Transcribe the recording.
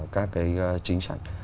các cái chính sách